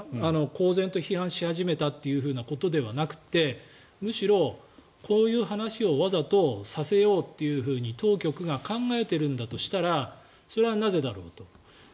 公然と批判し始めたということではなくてむしろ、こういう話をわざとさせようと当局が考えているんだとしたらそれはなぜだろうと。